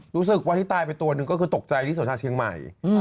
รู้สึกว่าที่ตายไปตัวหนึ่งก็คือตกใจที่สนชาเชียงใหม่